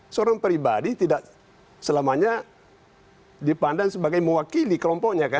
seorang pribadi tidak selamanya dipandang sebagai mewakili kelompoknya kan